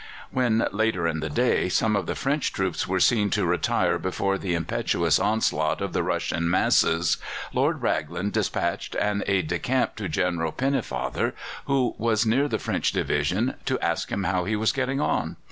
When, later in the day, some of the French troops were seen to retire before the impetuous onslaught of the Russian masses, Lord Raglan despatched an aide de camp to General Pennefather, who was near the French division, to ask how he was getting on.